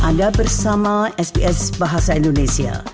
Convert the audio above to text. anda bersama sps bahasa indonesia